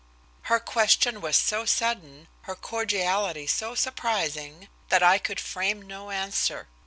Her question was so sudden, her cordiality so surprising, that I could frame no answer.